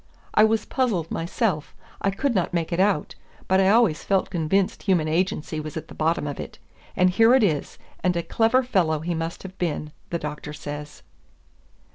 "I was puzzled myself, I could not make it out, but I always felt convinced human agency was at the bottom of it. And here it is, and a clever fellow he must have been," the Doctor says.